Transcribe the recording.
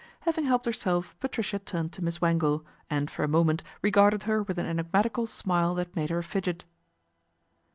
Having helped herself Patricia turned to Miss Wangle, and for a moment regarded her with an enigmatical smile that made her fidget.